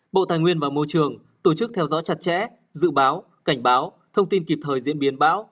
bộ tài nguyên và môi trường tổ chức theo dõi chặt chẽ dự báo cảnh báo thông tin kịp thời diễn biến bão